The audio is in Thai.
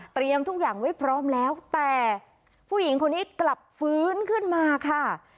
ทุกอย่างไว้พร้อมแล้วแต่ผู้หญิงคนนี้กลับฟื้นขึ้นมาค่ะ